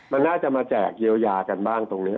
มันน่าจะมาแจกยาวกันบ้างตรงเนี้ย